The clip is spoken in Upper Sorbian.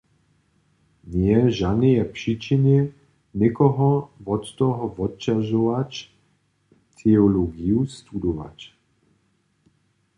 Njeje žaneje přičiny, někoho wot toho wotdźeržować, teologiju studować.